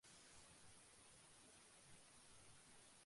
তােমার হাতে দিতেছি, এ তো আর জলে ফেলিয়া দিতেছি না?